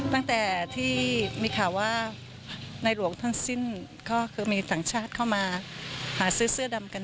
แล้วถ้าคนไทยก็ยิ่งลดให้ใหญ่เลยค่ะ